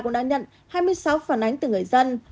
cũng đã nhận hai mươi sáu phản ánh từ người dân